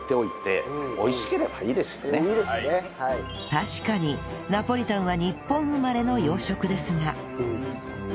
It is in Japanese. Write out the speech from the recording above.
確かにナポリタンは日本生まれの洋食ですが